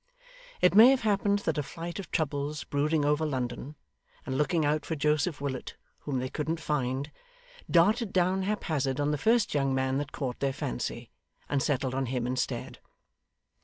It may have happened that a flight of troubles brooding over London, and looking out for Joseph Willet, whom they couldn't find, darted down haphazard on the first young man that caught their fancy, and settled on him instead.